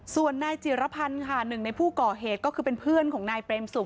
ส่วนนายเจรพรแต่ก็คือเพื่อนหนึ่งในนายปรมานซิบ